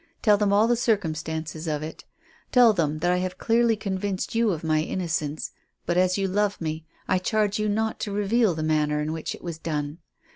Tell them all the circumstances of it. Tell them that I have clearly convinced you of my innocence; but, as you love me, I charge you not to reveal the manner in which it was done.